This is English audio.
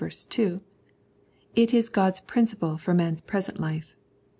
2) ; it is God's prin ciple for man's present life (ch.